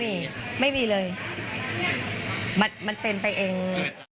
ไม่มีไม่มีเลยมันเป็นไปเอง